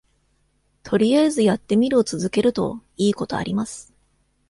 とりあえずやってみるを続けるといいことあります